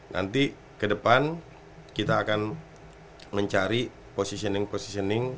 nanti kedepan kita akan mencari positioning positioning